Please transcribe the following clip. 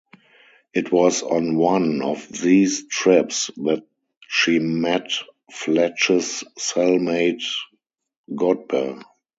It was on one of these trips that she met Fletch's cell-mate Godber.